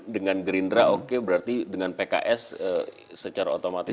dengan gerindra oke berarti dengan pks secara otomatis